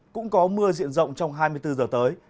cũng có mưa diện rộng trong hai mươi bốn giờ tới